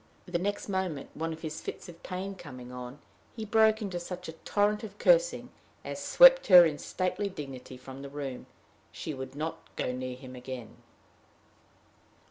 The next moment, one of his fits of pain coming on, he broke into such a torrent of cursing as swept her in stately dignity from the room. She would not go near him again.